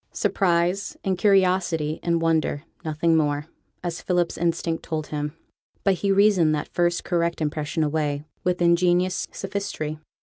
Surprise, and curiosity, and wonder; nothing more, as Philip's instinct told him. But he reasoned that first correct impression away with ingenious sophistry.